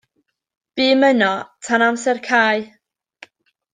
Bûm yno tan amser cau.